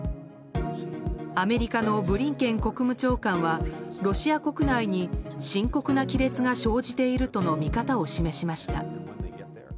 アメリカのブリンケン国務長官はロシア国内に深刻な亀裂が生じているとの見方を示しました。